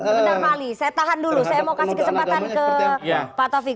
sebentar mali saya tahan dulu saya mau kasih kesempatan ke pak taufik